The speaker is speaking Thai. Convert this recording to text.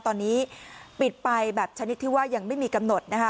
ตอนนี้ปิดไปแบบชนิดที่ว่ายังไม่มีกำหนดนะคะ